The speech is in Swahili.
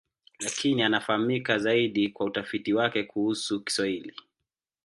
Lakini anafahamika zaidi kwa utafiti wake kuhusu Kiswahili.